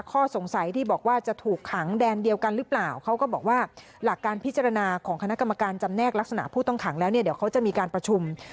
ข้อสงสัยที่บอกว่าจะถูกขังแดนเดียวกันหรือเปล่าเขาก็บอกว่าหลักการพิจารณาของคณะกรรมการจำแนกลักษณะผู้ต้องขังแล้วเนี่ยเดี๋ยวเขาจะมีการประชุม